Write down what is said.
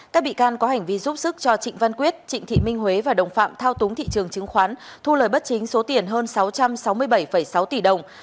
các bị can có hành vi giúp sức cho trịnh văn quyết trịnh thị minh huế và đồng phạm thao túng thị trường chứng khoán thu lời bất chính số tiền hơn sáu trăm sáu mươi bảy sáu tỷ đồng